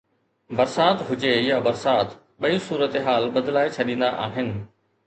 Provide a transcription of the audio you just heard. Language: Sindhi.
برسات هجي يا برسات، ٻئي صورتحال بدلائي ڇڏيندا آهن.